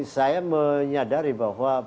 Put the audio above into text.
saya menyadari bahwa